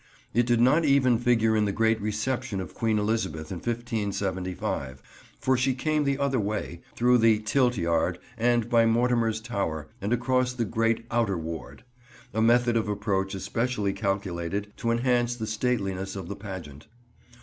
It did not even figure in the great reception of Queen Elizabeth in 1575, for she came the other way, through the Tilt Yard and by Mortimer's Tower, and across the great Outer Ward: a method of approach especially calculated to enhance the stateliness of the pageant.